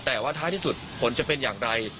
แต่ว่าท้ายที่สุดผลจะเป็นอย่างไร